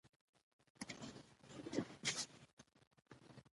د لمریزې برښنا کارول د انرژۍ کمښت له منځه وړي.